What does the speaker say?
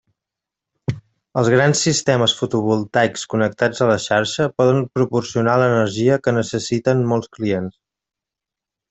Els grans sistemes fotovoltaics connectats a la xarxa poden proporcionar l'energia que necessiten molts clients.